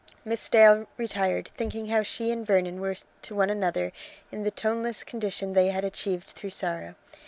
Miss Dale retired thinking how like she and Vernon were to one another in the toneless condition they had achieved through sorrow.